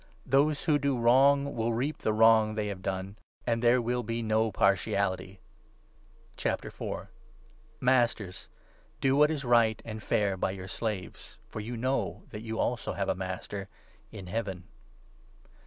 Those who do wrong will reap the wrong they have 25 done ; and there will be no partiality. Masters, do i 4 what is right and fair by your slaves, for you know that you also have a Master — in Heaven.